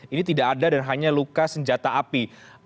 ini tidak ada dan hanya luka senjata api